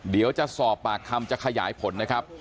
เดี๋ยวจะสอบปากคำจะขยายผลนะครับ